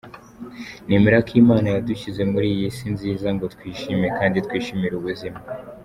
Nemera ko Imana yadushyize muri iyi si nziza ngo twishime kandi twishimire ubuzima.